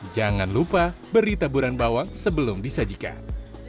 jangan lupa beri taburan bawang sebelum disajikan